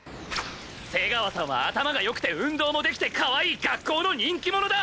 瀬川さんは頭が良くて運動もできてかわいい学校の人気者だ！